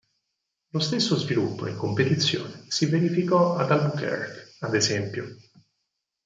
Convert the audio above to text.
Lo stesso sviluppo in competizione si verificò ad Albuquerque, ad esempio.